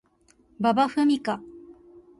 馬場ふみか